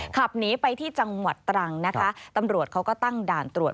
ขับหนีไปที่จังหวัดตรังนะคะตำรวจเขาก็ตั้งด่านตรวจ